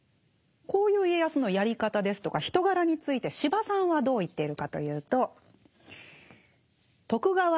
こういう家康のやり方ですとか人柄について司馬さんはどう言っているかというと。